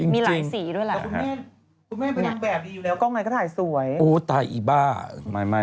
รับอีกทีสี่ทุ่มกว่า